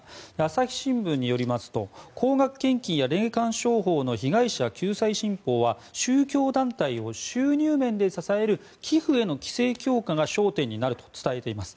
朝日新聞によりますと高額献金や霊感商法の被害者救済新法は宗教団体を収入面で支える寄付への規制強化が焦点になると伝えています。